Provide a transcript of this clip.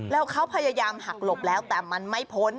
แล้วเขาพยายามหักหลบแล้วแต่มันไม่พ้น